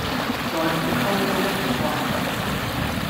在乎溝通與關懷